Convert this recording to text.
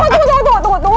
tunggu tunggu tunggu